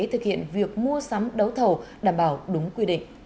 thực hiện việc mua sắm đấu thầu đảm bảo đúng quy định